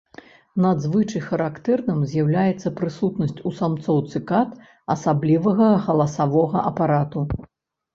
Надзвычай характэрным з'яўляецца прысутнасць у самцоў цыкад асаблівага галасавога апарату.